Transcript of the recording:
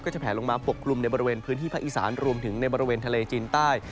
จะแผลลงมาปกกลุ่มในบริเวณพื้นที่ภาคอีสานรวมถึงในบริเวณทะเลจีนใต้